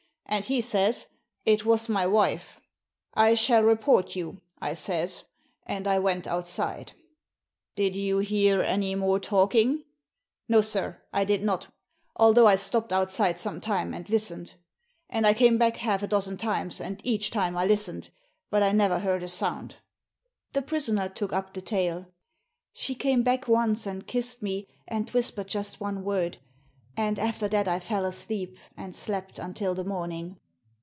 And he says, 'It was my wife.* ' I shall report you,' I says, and I went outside." Did you hear any more talking ?" "No, sir, I did not, although I stopped outside some time and listened. And I came back half a dozen times, and each time I listened, but I never heard a sound" The prisoner took up the tale. "She came back once and kissed me, and whis pered just one word. And after that I fell asleep, and slept until the morning."